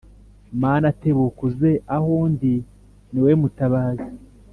Mana tebuka uze aho ndi Ni wowe mutabazi